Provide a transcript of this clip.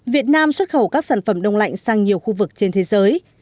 việt nam xuất khẩu các sản phẩm đông lạnh sang nhiều khu vực trên thế giới